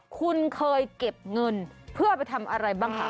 คุณเคยเก็บเงินเพื่อไปทำอะไรบ้างคะ